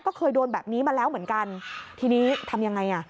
ก็เคยโดนแบบนี้มาแล้วเหมือนกันทีนี้ทำยังไงอ่ะ